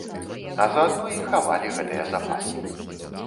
А заадно і хавалі гэтыя запасы.